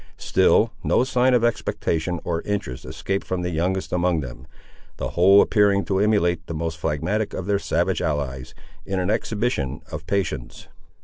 Still no sign of expectation or interest escaped from the youngest among them, the whole appearing to emulate the most phlegmatic of their savage allies, in an exhibition of patience.